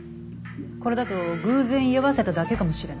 これだと偶然居合わせただけかもしれない。